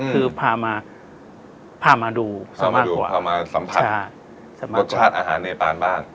คือพามาพามาดูเรามาสัมผัสรสชาติอาหารในปานบ้าน